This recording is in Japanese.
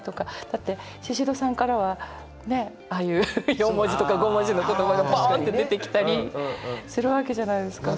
だってシシドさんからはねっああいう４文字とか５文字の言葉がボンって出てきたりするわけじゃないですか。